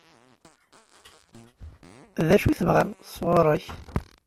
D acu i tebɣa sɣur-k?